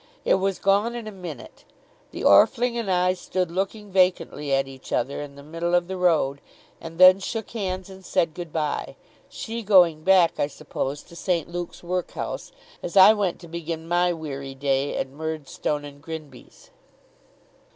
It was gone in a minute. The Orfling and I stood looking vacantly at each other in the middle of the road, and then shook hands and said good bye; she going back, I suppose, to St. Luke's workhouse, as I went to begin my weary day at Murdstone and Grinby's.